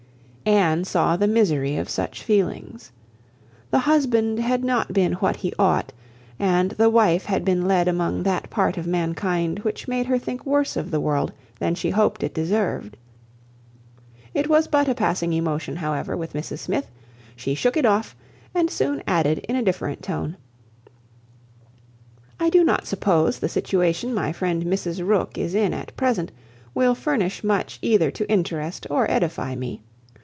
Anne saw the misery of such feelings. The husband had not been what he ought, and the wife had been led among that part of mankind which made her think worse of the world than she hoped it deserved. It was but a passing emotion however with Mrs Smith; she shook it off, and soon added in a different tone— "I do not suppose the situation my friend Mrs Rooke is in at present, will furnish much either to interest or edify me.